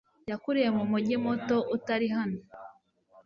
yakuriye mu mujyi muto utari hano.